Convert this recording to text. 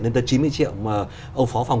đến tới chín mươi triệu mà ông phó phòng